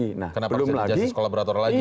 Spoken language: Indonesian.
kenapa harus jadi justice collaborator lagi